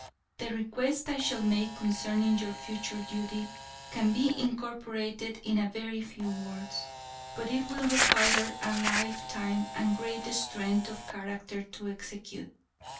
The request I shall make concerning your future duty can be incorporated in a very few words, but it will require a lifetime and great strength of character to execute.